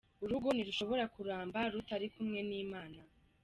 Urugo ntirushobora kuramba rutari kumwe n’Imana”.